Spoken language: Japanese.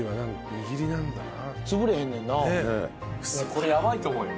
これヤバいと思うよ。